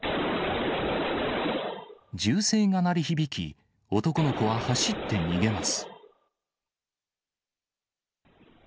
銃声が鳴り響き、男の子は走って逃げます。